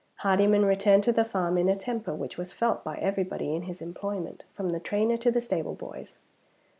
Hardyman returned to the farm in a temper which was felt by everybody in his employment, from the trainer to the stable boys.